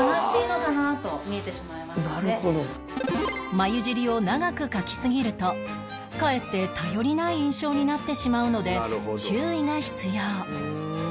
眉尻を長く描きすぎるとかえって頼りない印象になってしまうので注意が必要